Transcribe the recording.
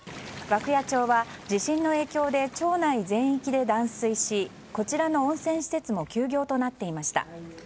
涌谷町は地震の影響で町内全域で断水しこちらの温泉施設も休業となっていました。